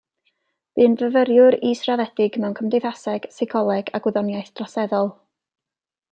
Bu'n fyfyriwr israddedig mewn cymdeithaseg, seicoleg a gwyddoniaeth droseddol.